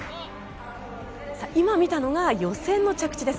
今見たのが予選の着地です。